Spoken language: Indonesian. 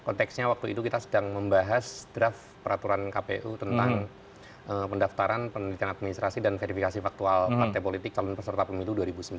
konteksnya waktu itu kita sedang membahas draft peraturan kpu tentang pendaftaran penelitian administrasi dan verifikasi faktual partai politik calon peserta pemilu dua ribu sembilan belas